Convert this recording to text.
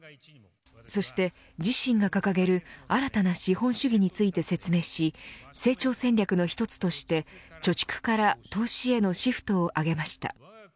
そして自身が掲げる新たな資本主義について説明し成長戦略の一つとして貯蓄から投資へのシフトを挙げました。